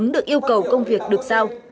được yêu cầu công việc được sao